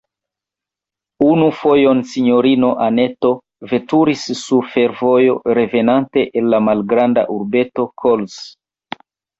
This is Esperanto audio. Unu fojon sinjorino Anneto veturis sur fervojo, revenante el la malgranda urbeto Kolz.